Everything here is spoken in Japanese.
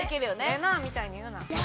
「“れなぁ”みたいに言うな」。